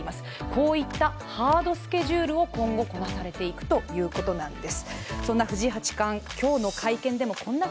こういったハードスケジュールを今後こなされていくということなんです。